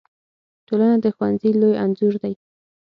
ټولنه د ښوونځي لوی انځور دی.